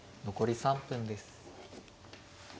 残り３分です。